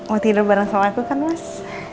oh tidur bareng sama aku kan mas